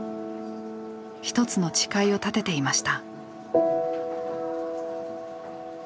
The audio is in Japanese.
一つの誓いを立てていました。